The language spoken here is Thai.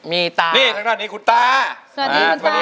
มีตาสวัสดีคุณตาสวัสดีคุณตานี่ทางด้านนี้คุณตา